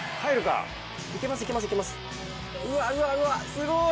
すごい。